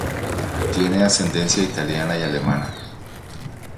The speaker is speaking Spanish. Tiene ascendencia italiana y alemana.